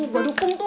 gue dukung tuh